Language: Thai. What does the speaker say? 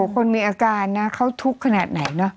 คนมีอาการเขาทุกขนาดไหน